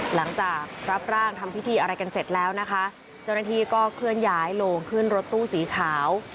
หลังจากรับร่างทำพิธีอะไรกันเสร็จแล้วนะคะเจ้าหน้าที่ก็เคลื่อนย้ายโลงขึ้นรถตู้สีขาว